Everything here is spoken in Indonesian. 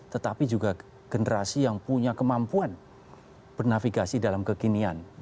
tetapi juga generasi yang punya kemampuan bernavigasi dalam kekinian